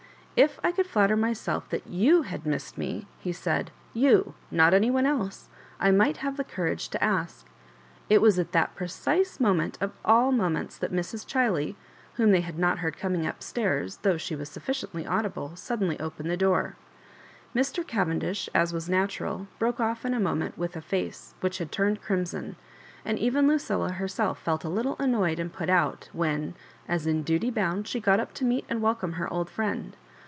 "If I could flatter myself that you had missed me," he said ;" you — not any one else — ^I might have the courage to ask " It was at that precise moment of all moments that Mrs. Chiley, whom they had not heard com ing up stairs, though she was sufficiently audible^ suddenly opened the door. Mr. Cavendish, aB was natural, broke off in a moment with a fa«e which had turned crimson, and even Lucilla her self felt a little annoyed and put out, when, a» in duty bound, she got up to meet and welcome her old friend.